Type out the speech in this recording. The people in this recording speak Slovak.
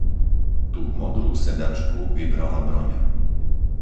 Tú modrú sedačku vybrala Broňa.